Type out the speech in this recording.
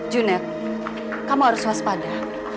junet kamu harus waspada